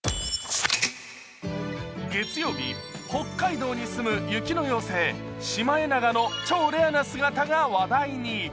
月曜日、北海道に住む雪の妖精シマエナガの超レアな姿が話題に。